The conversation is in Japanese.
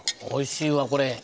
おいしいわこれ。